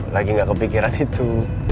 lagi ga kepikiran itu